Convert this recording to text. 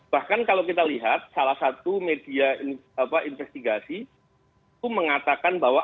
bahkan kalau kita lihat salah satu media investigasi itu mengatakan bahwa